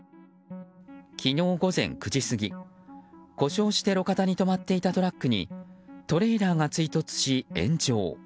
昨日午前９時過ぎ、故障して路肩に止まっていたトラックにトレーラーが追突し炎上。